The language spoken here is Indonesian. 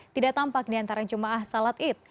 tidak tampak diantara cuma salat id